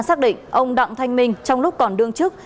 xác định ông đặng thanh minh trong lúc còn đương chức